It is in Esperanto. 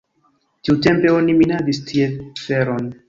Tiutempe oni minadis tie feron.